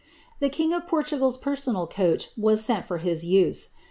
The king of Portugal's personal eoack M'as sent for his use.